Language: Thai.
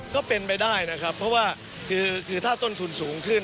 ก็เป็นไปได้นะครับเพราะว่าคือถ้าต้นทุนสูงขึ้น